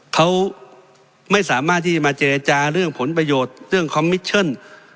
เขาไม่สามารถที่จะมาเจรจาเรื่องผลประโยชน์เรื่องคอมมิชชั่น